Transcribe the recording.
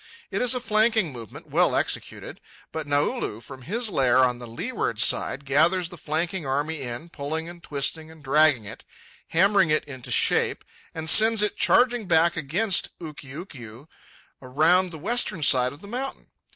It is a flanking movement, well executed. But Naulu, from his lair on the leeward side, gathers the flanking army in, pulling and twisting and dragging it, hammering it into shape, and sends it charging back against Ukiukiu around the western side of the mountain.